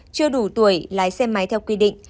chưa đủ tuổi lái xe máy theo quy định